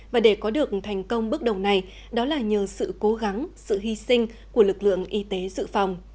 và để có được thành công bước đầu này đó là nhờ sự cố gắng sự hy sinh của lực lượng y tế dự phòng